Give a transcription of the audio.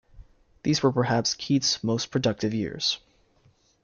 These were perhaps Keats's most productive years.